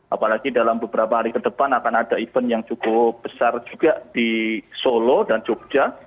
apalagi dalam beberapa hari ke depan akan ada event yang cukup besar juga di solo dan jogja